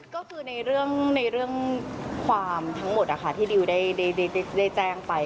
ก็คือในเรื่องความทั้งหมดที่ดิวได้แจ้งไป